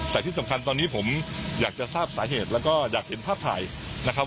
แต่ที่สำคัญตอนนี้ผมอยากจะทราบสาเหตุแล้วก็อยากเห็นภาพถ่ายนะครับ